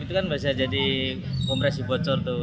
itu kan bisa jadi kompresi bocor tuh